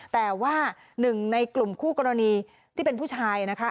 แต่ว่าหนึ่งในกลุ่มคู่กรณีที่เป็นผู้ชายนะคะ